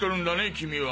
君は。